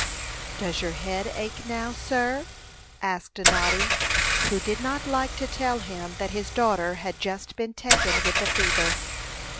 "Does your head ache now, sir?" asked Noddy, who did not like to tell him that his daughter had just been taken with the fever.